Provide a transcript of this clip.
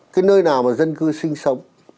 cái nơi nào mà dân cư sinh sống